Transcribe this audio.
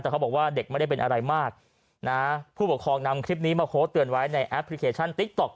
แต่เขาบอกว่าเด็กไม่ได้เป็นอะไรมากนะผู้ปกครองนำคลิปนี้มาโพสต์เตือนไว้ในแอปพลิเคชันติ๊กต๊อ